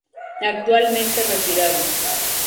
Actualmente retirado.